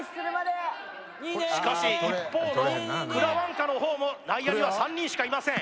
しかし一方のくらわんかのほうも内野には３人しかいません